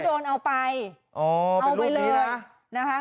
โอ้เป็นรูปนี้นะ